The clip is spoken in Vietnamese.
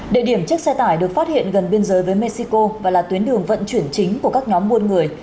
địa điểm chiếc xe tải được phát hiện gần biên giới với mexico và là tuyến đường vận chuyển chính của các nhóm buôn người